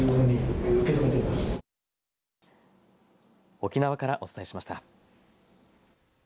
沖縄からお伝えしました。